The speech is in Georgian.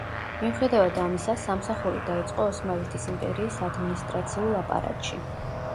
მიუხედავად ამისა, სამსახური დაიწყო ოსმალეთის იმპერიის ადმინისტრაციულ აპარატში.